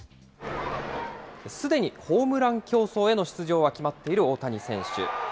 すでにホームラン競争への出場は決まっている大谷選手。